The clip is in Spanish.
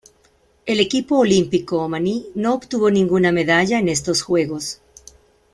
El equipo olímpico omaní no obtuvo ninguna medalla en estos Juegos.